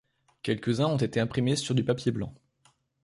Quelques-uns ont été imprimés sur du papier blanc.